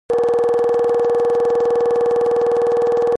Ӏэ къысхуищӏащ.